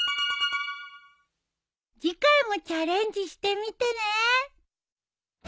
次回もチャレンジしてみてね。